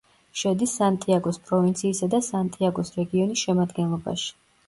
შედის სანტიაგოს პროვინციისა და სანტიაგოს რეგიონის შემადგენლობაში.